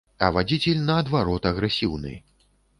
А вадзіцель наадварот агрэсіўны.